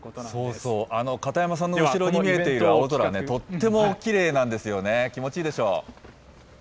そうそう、片山さんの後ろに見えている青空ね、とってもきれいなんですよね、気持ちいいでしょう。